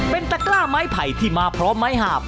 เป็นตะกร้าไม้ไผ่ที่มาพร้อมไม้หาบ